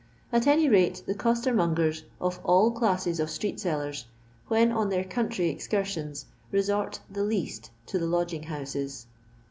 At any rate the costermongers, of all classes of street sellers, when on their country excursions, resort the least*to the lodging houses.